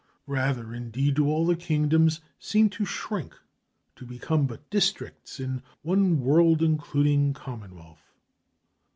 Rather, indeed, do all the kingdoms seem to shrink, to become but districts in one world including commonwealth.